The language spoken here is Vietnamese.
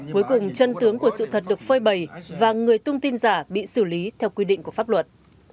cuối cùng chân tướng của sự thật được phơi bầy và người tung tin giả bị xử lý theo quy định của pháp luật